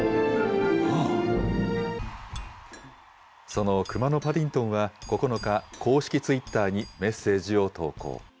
そのくまのパディントンは９日、公式ツイッターにメッセージを投稿。